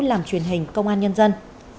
làm truyền hình công an nhân dân